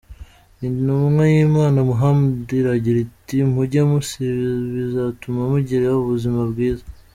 Intumwa y’Imana Muhammad iragira iti :“Mujye musiba bizatuma mugira ubuzima bwiza".